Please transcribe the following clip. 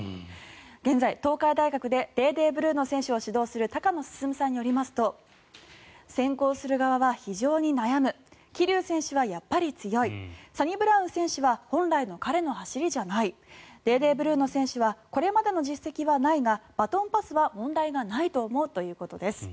現在、東海大学でデーデー・ブルーノ選手を指導する高野進さんによりますと選考する側は非常に悩む桐生選手はやっぱり強いサニブラウン選手は本来の彼の走りじゃないデーデー・ブルーノ選手はこれまでの実績はないがバトンパスは問題がないと思うということです。